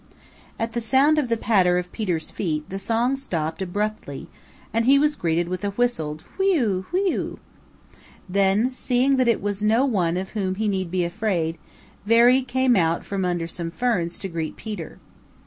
At the sound of the patter of Peter's feet the song stopped abruptly and he was greeted with a whistled "Wheeu! wheeu!" Then, seeing that it was no one of whom he need be afraid, Veery came out from under some ferns to greet Peter.